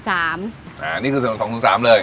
อ่านี่คือถั่ง๒๐๓เลย